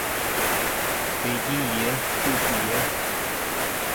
北京爷，就是爷！